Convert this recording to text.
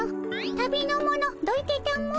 旅の者どいてたも。